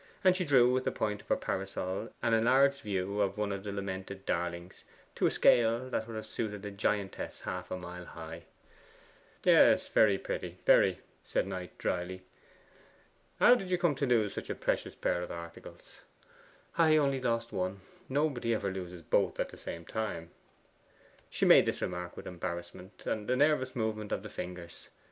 And she drew with the point of her parasol an enlarged view of one of the lamented darlings, to a scale that would have suited a giantess half a mile high. 'Yes, very pretty very,' said Knight dryly. 'How did you come to lose such a precious pair of articles?' 'I only lost one nobody ever loses both at the same time.' She made this remark with embarrassment, and a nervous movement of the fingers.